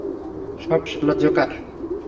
সব শালা জোকার।